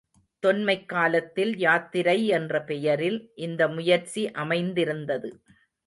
தொன்மைக் காலத்தில் யாத்திரை என்ற பெயரில் இந்த முயற்சி அமைந்திருந்தது.